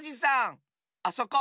あそこ。